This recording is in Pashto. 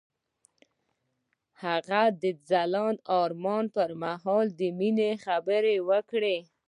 هغه د ځلانده آرمان پر مهال د مینې خبرې وکړې.